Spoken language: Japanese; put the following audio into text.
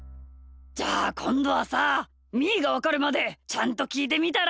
じゃあこんどはさみーがわかるまでちゃんときいてみたら？